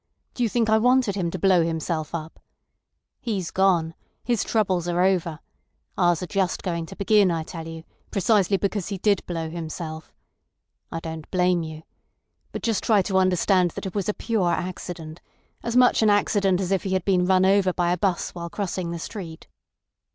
Do you think I wanted him to blow himself up? He's gone. His troubles are over. Ours are just going to begin, I tell you, precisely because he did blow himself. I don't blame you. But just try to understand that it was a pure accident; as much an accident as if he had been run over by a 'bus while crossing the street."